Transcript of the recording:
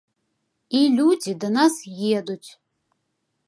І людзі да нас едуць!